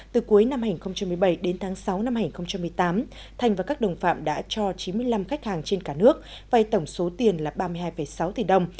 từ cuối năm hai nghìn một mươi bảy đến tháng sáu năm hai nghìn một mươi tám thành và các đồng phạm đã cho chín mươi năm khách hàng trên cả nước vay tổng số tiền là ba mươi hai sáu tỷ đồng